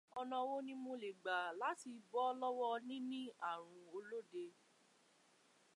Ọ̀nà wo ni mo lè gbà láti bọ́ l'ọ́wọ́ níní ààrùn olóde.